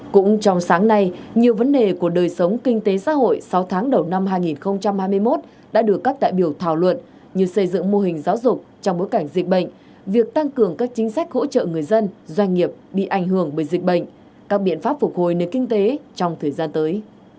cũng trong sáng nay nhiều vấn đề của đời sống kinh tế xã hội sáu tháng đầu năm hai nghìn hai mươi một đã được các đại biểu thảo luận như xây dựng mô hình giáo dục trong bối cảnh dịch bệnh việc tăng cường các chính sách hỗ trợ người dân doanh nghiệp bị ảnh hưởng bởi dịch bệnh các biện pháp phục hồi nền kinh tế trong thời gian tới